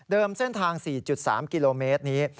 เส้นทาง๔๓กิโลเมตรนี้